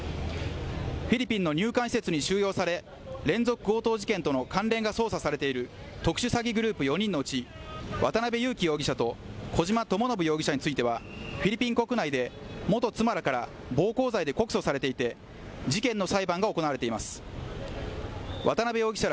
フィリピンの入管施設に収容され連続強盗事件との関連が捜査されている特殊詐欺グループ４人のうち渡辺優樹容疑者と小島智信容疑者についてはフィリピン国内で元妻らから暴行罪で告訴されていて事件の裁判が行われています渡辺容疑者ら